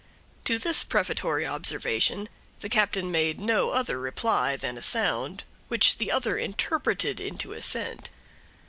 To this prefatory observation the captain made no other reply than a sound which the other interpreted into assent.